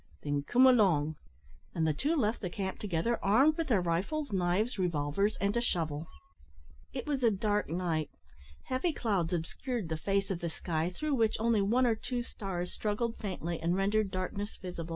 "Then come along." And the two left the camp together, armed with their rifles, knives, revolvers, and a shovel. It was a dark night. Heavy clouds obscured the face of the sky, through which only one or two stars struggled faintly, and rendered darkness visible.